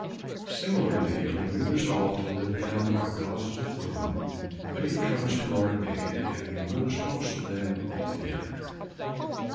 Similarly, when we resolve to live down our causes of gloom, fate comes to our aid and removes most of them altogether.